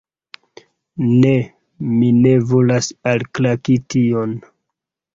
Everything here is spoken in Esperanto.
Ne, mi ne volas alklaki tion!